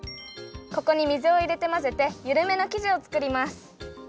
ここに水をいれてまぜてゆるめのきじをつくります。